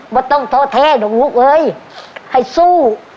ไม่ต้องโทษแท้ให้ตัวลูกเลยให้สู้